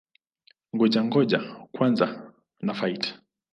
Ngoja-ngoja kwanza na-fight!